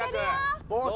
スポーツ！